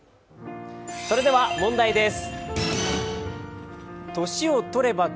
それでは問題です。